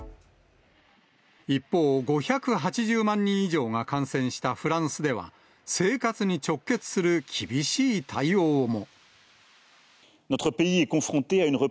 一方、５８０万人以上が感染したフランスでは、生活に直結する厳しい対応も。